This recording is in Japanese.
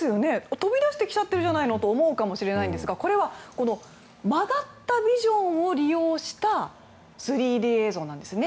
飛び出してきちゃってるじゃないのと思うかもしれないんですがこれは曲がったビジョンを利用した３Ｄ映像なんですね。